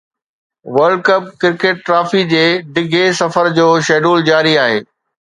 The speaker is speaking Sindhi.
ورلڊ ڪپ ڪرڪيٽ ٽرافي جي ڊگهي سفر جو شيڊول جاري آهي